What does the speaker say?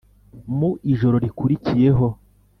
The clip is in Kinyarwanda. Mu ijoro rikurikiyeho,